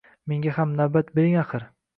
Menga ham navbat bering axir!